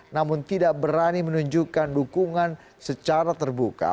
namun tidak berani menunjukkan dukungan secara terbuka